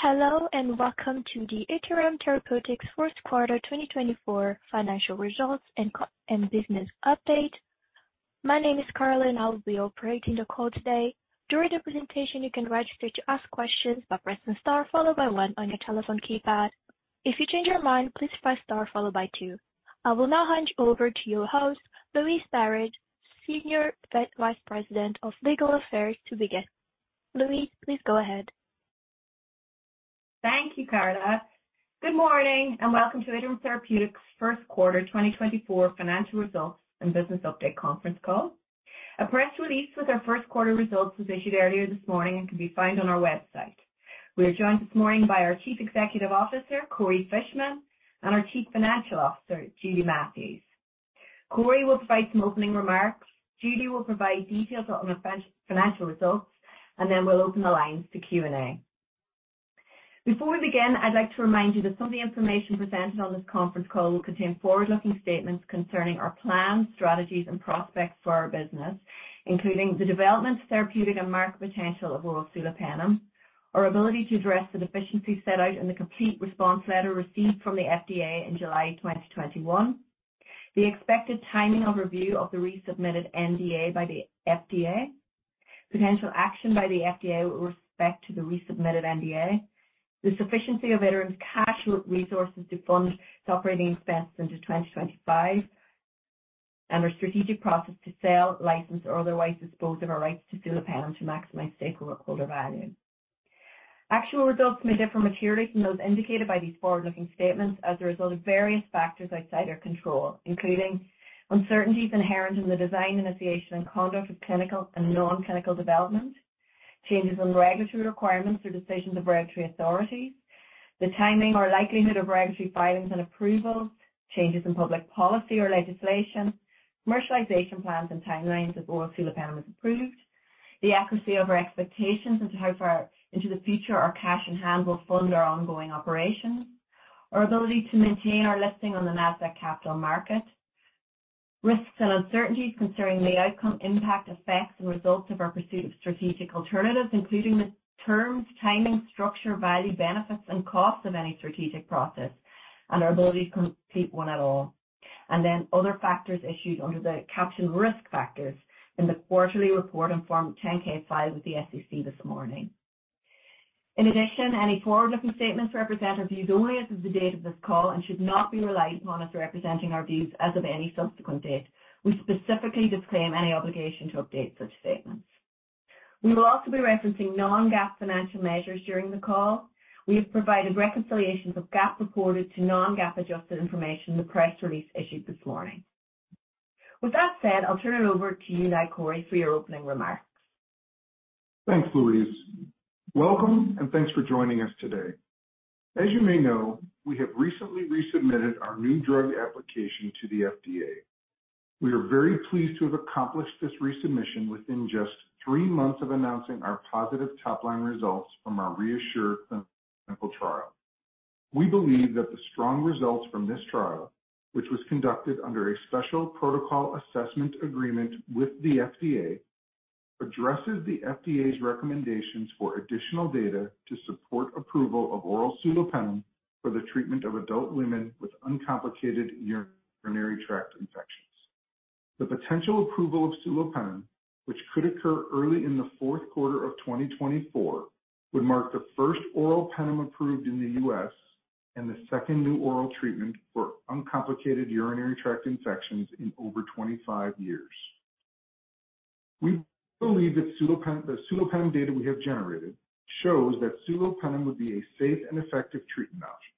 Hello, and welcome to the Iterum Therapeutics First Quarter 2024 Financial Results and Business Update. My name is Carla, and I'll be operating the call today. During the presentation, you can register to ask questions by pressing star followed by one on your telephone keypad. If you change your mind, please press star followed by two. I will now hand you over to your host, Louise Barrett, Senior Vice President of Legal Affairs, to begin. Louise, please go ahead. Thank you, Carla. Good morning, and welcome to Iterum Therapeutics' First Quarter 2024 Financial Results and Business Update Conference Call. A press release with our first quarter results was issued earlier this morning and can be found on our website. We are joined this morning by our Chief Executive Officer, Corey Fishman, and our Chief Financial Officer, Judy Matthews. Corey will provide some opening remarks, Judy will provide details on our financial results, and then we'll open the lines to Q&A. Before we begin, I'd like to remind you that some of the information presented on this conference call will contain forward-looking statements concerning our plans, strategies, and prospects for our business, including the development, therapeutic and market potential of oral sulopenem, our ability to address the deficiencies set out in the Complete Response Letter received from the FDA in July 2021, the expected timing of review of the resubmitted NDA by the FDA, potential action by the FDA with respect to the resubmitted NDA, the sufficiency of Iterum's cash resources to fund its operating expenses into 2025, and our strategic process to sell, license or otherwise dispose of our rights to sulopenem to maximize stakeholder value. Actual results may differ materially from those indicated by these forward-looking statements as a result of various factors outside our control, including uncertainties inherent in the design, initiation, and conduct of clinical and non-clinical development, changes in regulatory requirements or decisions of regulatory authorities, the timing or likelihood of regulatory filings and approvals, changes in public policy or legislation, commercialization plans and timelines if oral sulopenem is approved, the accuracy of our expectations as to how far into the future our cash in hand will fund our ongoing operations, our ability to maintain our listing on the Nasdaq Capital Market, risks and uncertainties concerning the outcome, impact, effects and results of our pursuit of strategic alternatives, including the terms, timing, structure, value, benefits, and costs of any strategic process and our ability to complete one at all. Then other factors issued under the caption Risk Factors in the quarterly report and Form 10-K filed with the SEC this morning. In addition, any forward-looking statements represent our views only as of the date of this call and should not be relied upon as representing our views as of any subsequent date. We specifically disclaim any obligation to update such statements. We will also be referencing non-GAAP financial measures during the call. We have provided reconciliations of GAAP reported to non-GAAP adjusted information in the press release issued this morning. With that said, I'll turn it over to you now, Corey, for your opening remarks. Thanks, Louise. Welcome, and thanks for joining us today. As you may know, we have recently resubmitted our New Drug Application to the FDA. We are very pleased to have accomplished this resubmission within just three months of announcing our positive top-line results from our REASSURE clinical trial. We believe that the strong results from this trial, which was conducted under a Special Protocol Assessment agreement with the FDA, addresses the FDA's recommendations for additional data to support approval of oral sulopenem for the treatment of adult women with uncomplicated urinary tract infections. The potential approval of sulopenem, which could occur early in the fourth quarter of 2024, would mark the first oral penem approved in the US and the second new oral treatment for uncomplicated urinary tract infections in over 25 years. We believe that sulopenem, the sulopenem data we have generated shows that sulopenem would be a safe and effective treatment option.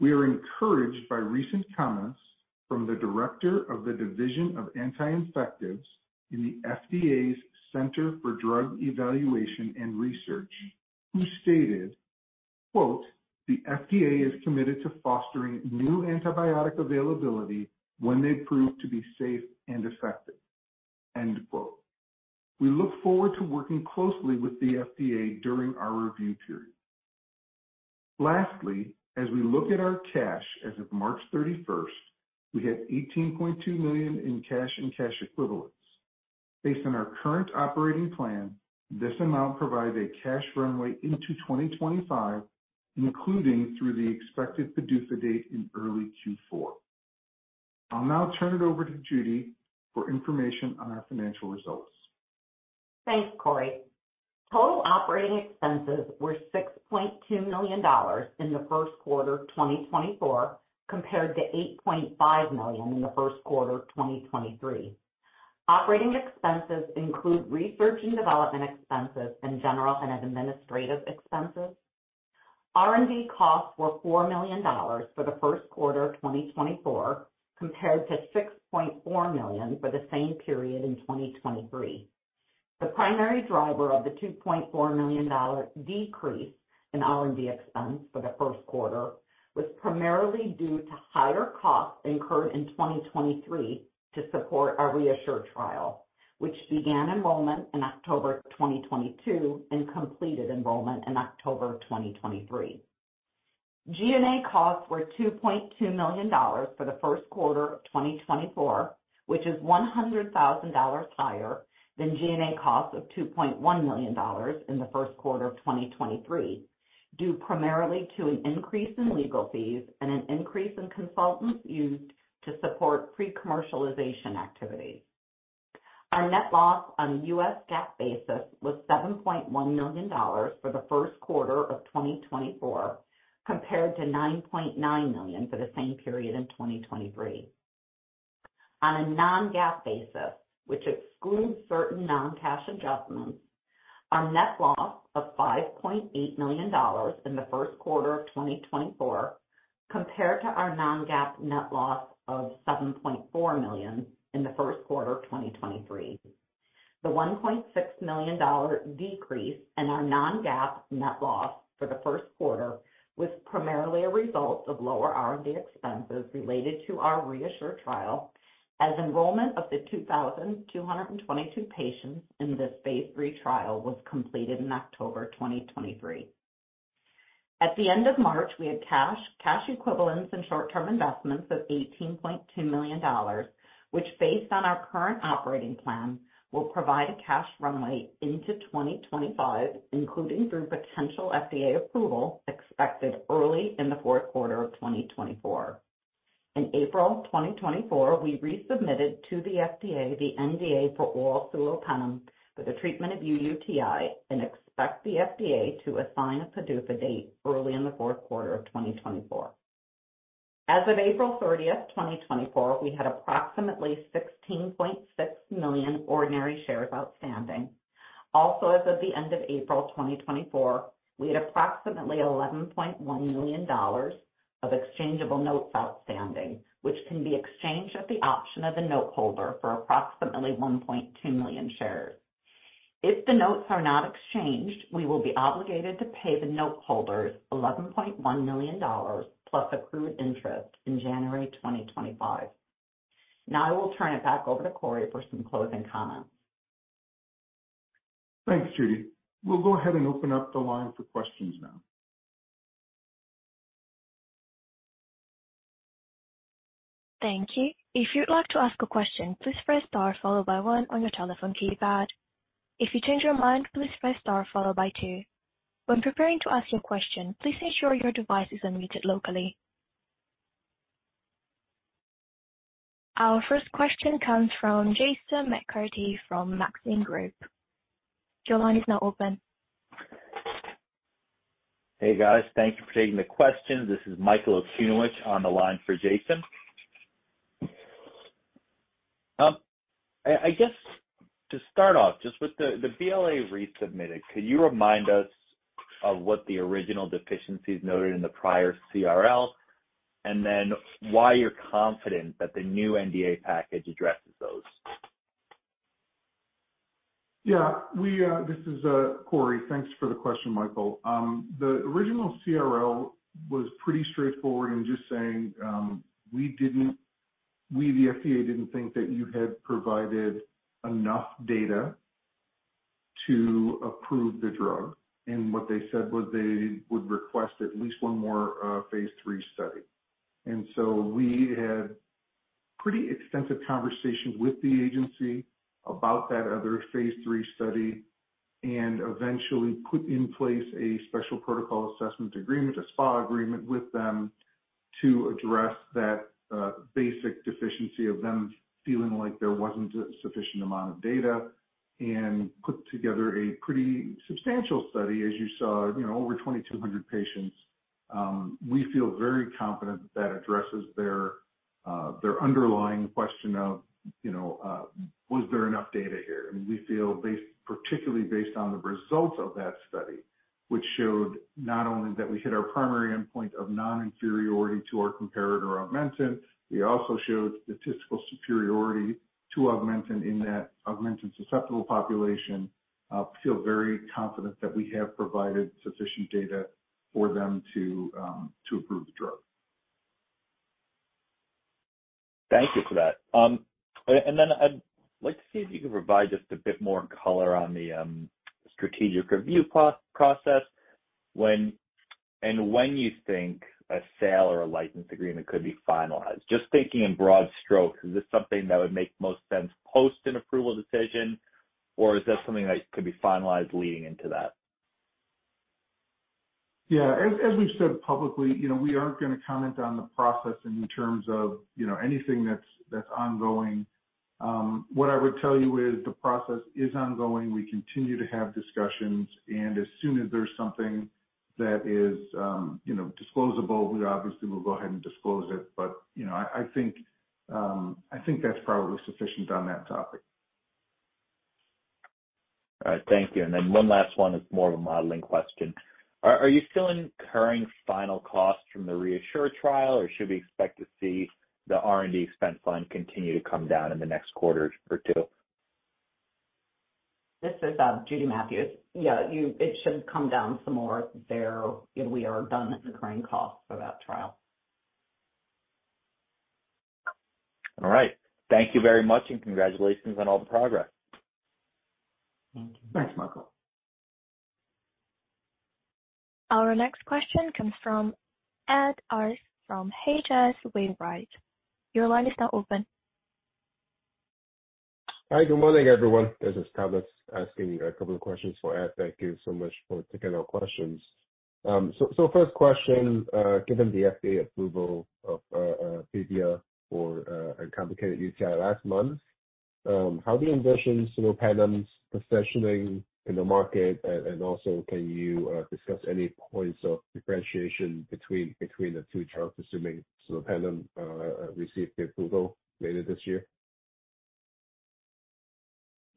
We are encouraged by recent comments from the director of the Division of Anti-Infectives in the FDA's Center for Drug Evaluation and Research, who stated, quote: "The FDA is committed to fostering new antibiotic availability when they prove to be safe and effective." End quote. We look forward to working closely with the FDA during our review period. Lastly, as we look at our cash as of March 31, we had $18.2 million in cash and cash equivalents. Based on our current operating plan, this amount provides a cash runway into 2025, including through the expected PDUFA date in early Q4. I'll now turn it over to Judy for information on our financial results. Thanks, Corey. Total operating expenses were $6.2 million in the first quarter of 2024, compared to $8.5 million in the first quarter of 2023. Operating expenses include research and development expenses, and general and administrative expenses. R&D costs were $4 million for the first quarter of 2024, compared to $6.4 million for the same period in 2023. The primary driver of the $2.4 million-dollar decrease in R&D expense for the first quarter was primarily due to higher costs incurred in 2023 to support our REASSURE trial, which began enrollment in October 2022 and completed enrollment in October 2023.... G&A costs were $2.2 million for the first quarter of 2024, which is $100,000 higher than G&A costs of $2.1 million in the first quarter of 2023, due primarily to an increase in legal fees and an increase in consultants used to support pre-commercialization activities. Our net loss on the U.S. GAAP basis was $7.1 million for the first quarter of 2024, compared to $9.9 million for the same period in 2023. On a non-GAAP basis, which excludes certain non-cash adjustments, our net loss of $5.8 million in the first quarter of 2024 compared to our non-GAAP net loss of $7.4 million in the first quarter of 2023. The $1.6 million decrease in our non-GAAP net loss for the first quarter was primarily a result of lower R&D expenses related to our REASSURE trial, as enrollment of the 2,222 patients in this phase III trial was completed in October 2023. At the end of March, we had cash, cash equivalents, and short-term investments of $18.2 million, which, based on our current operating plan, will provide a cash runway into 2025, including through potential FDA approval expected early in the fourth quarter of 2024. In April of 2024, we resubmitted to the FDA, the NDA for oral sulopenem for the treatment of UTI and expect the FDA to assign a PDUFA date early in the fourth quarter of 2024. As of April 30, 2024, we had approximately 16.6 million ordinary shares outstanding. Also, as of the end of April 2024, we had approximately $11.1 million of exchangeable notes outstanding, which can be exchanged at the option of the noteholder for approximately 1.2 million shares. If the notes are not exchanged, we will be obligated to pay the noteholders $11.1 million plus accrued interest in January 2025. Now, I will turn it back over to Corey for some closing comments. Thanks, Judy. We'll go ahead and open up the line for questions now. Thank you. If you'd like to ask a question, please press star followed by one on your telephone keypad. If you change your mind, please press star followed by two. When preparing to ask your question, please ensure your device is unmuted locally. Our first question comes from Jason McCarthy from Maxim Group. Your line is now open. Hey, guys. Thank you for taking the questions. This is Michael Okunewitch on the line for Jason. I guess to start off, just with the BLA resubmitted, could you remind us of what the original deficiencies noted in the prior CRL, and then why you're confident that the new NDA package addresses those? Yeah, we, this is, Corey. Thanks for the question, Michael. The original CRL was pretty straightforward in just saying, "We didn't—we, the FDA, didn't think that you had provided enough data to approve the drug." And what they said was they would request at least one more, phase III study. And so we had pretty extensive conversations with the agency about that other phase III study, and eventually put in place a special protocol assessment agreement, a SPA agreement, with them to address that, basic deficiency of them feeling like there wasn't a sufficient amount of data, and put together a pretty substantial study, as you saw, you know, over 2,200 patients. We feel very confident that addresses their, their underlying question of, you know, was there enough data here? We feel, particularly based on the results of that study, which showed not only that we hit our primary endpoint of non-inferiority to our comparator Augmentin, we also showed statistical superiority to Augmentin in that Augmentin-susceptible population. Feel very confident that we have provided sufficient data for them to approve the drug. Thank you for that. And then I'd like to see if you could provide just a bit more color on the strategic review process, when and when you think a sale or a license agreement could be finalized. Just thinking in broad strokes, is this something that would make most sense post an approval decision, or is that something that could be finalized leading into that? Yeah, as we've said publicly, you know, we aren't gonna comment on the process in terms of, you know, anything that's ongoing. What I would tell you is the process is ongoing. We continue to have discussions, and as soon as there's something that is, you know, disclosable, we obviously will go ahead and disclose it. But, you know, I think that's probably sufficient on that topic. All right. Thank you. And then one last one is more of a modeling question. Are you still incurring final costs from the REASSURE trial, or should we expect to see the R&D expense line continue to come down in the next quarter or two? This is Judy Matthews. Yeah, it should come down some more there, and we are done incurring costs for that trial.... All right. Thank you very much, and congratulations on all the progress. Thank you. Thanks, Michael. Our next question comes from Ed Arce from H.C. Wainwright. Your line is now open. Hi, good morning, everyone. This is Thomas asking a couple of questions for Ed. Thank you so much for taking our questions. So, first question, given the FDA approval of Pivya for uncomplicated UTI last month, how do you envision sulopenem's positioning in the market? And also, can you discuss any points of differentiation between the two trials, assuming sulopenem receive the approval later this year?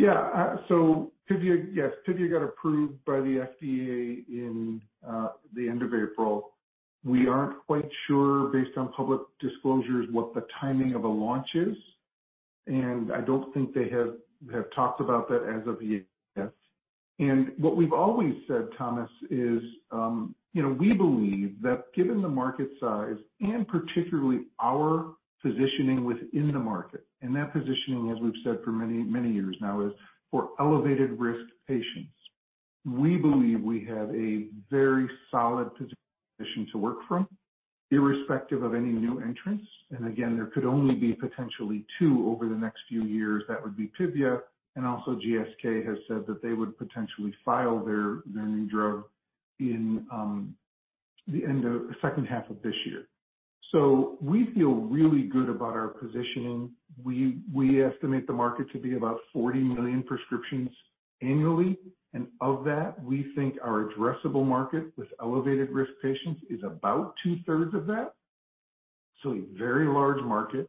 Yeah. So Pivya, yes, Pivya got approved by the FDA in the end of April. We aren't quite sure, based on public disclosures, what the timing of a launch is, and I don't think they have talked about that as of yet. And what we've always said, Thomas, is, you know, we believe that given the market size and particularly our positioning within the market, and that positioning, as we've said for many, many years now, is for elevated-risk patients. We believe we have a very solid position to work from, irrespective of any new entrants. And again, there could only be potentially two over the next few years. That would be Pivya, and also GSK has said that they would potentially file their new drug in the end of the second half of this year. So we feel really good about our positioning. We estimate the market to be about 40 million prescriptions annually, and of that, we think our addressable market with elevated-risk patients is about two-thirds of that. So a very large market.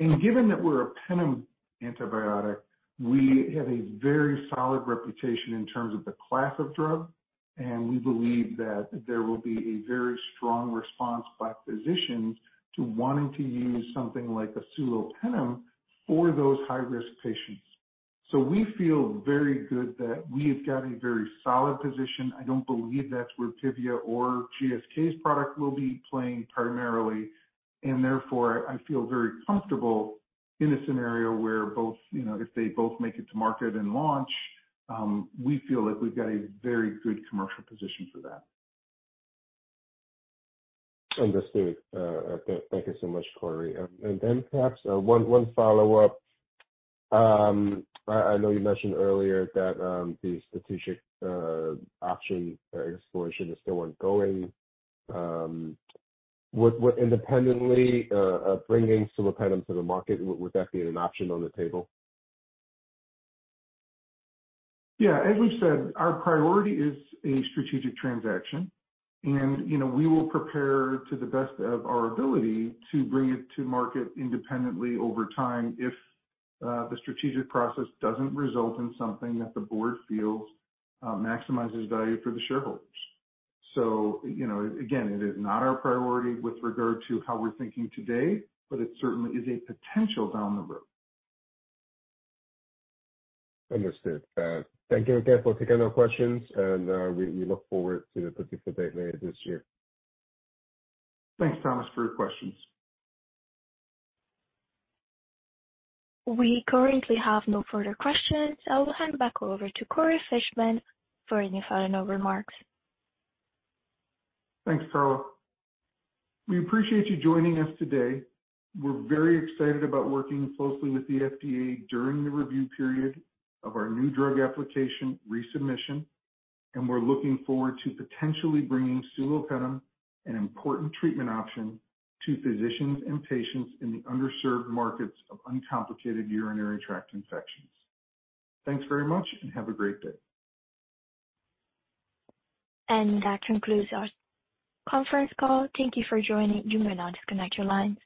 And given that we're a penem antibiotic, we have a very solid reputation in terms of the class of drug, and we believe that there will be a very strong response by physicians to wanting to use something like a sulopenem for those high-risk patients. So we feel very good that we've got a very solid position. I don't believe that's where Pivya or GSK's product will be playing primarily. And therefore, I feel very comfortable in a scenario where both, you know, if they both make it to market and launch, we feel like we've got a very good commercial position for that. Understood. Thank you so much, Corey. And then perhaps one follow-up. I know you mentioned earlier that the strategic option or exploration is still ongoing. Would independently bringing sulopenem to the market be an option on the table? Yeah. As we've said, our priority is a strategic transaction, and, you know, we will prepare to the best of our ability to bring it to market independently over time if the strategic process doesn't result in something that the board feels maximizes value for the shareholders. So, you know, again, it is not our priority with regard to how we're thinking today, but it certainly is a potential down the road. Understood. Thank you again for taking our questions, and we look forward to the specific date later this year. Thanks, Thomas, for your questions. We currently have no further questions. I will hand it back over to Corey Fishman for any final remarks. Thanks, Carla. We appreciate you joining us today. We're very excited about working closely with the FDA during the review period of our new drug application resubmission, and we're looking forward to potentially bringing sulopenem, an important treatment option, to physicians and patients in the underserved markets of uncomplicated urinary tract infections. Thanks very much, and have a great day. That concludes our conference call. Thank you for joining. You may now disconnect your lines.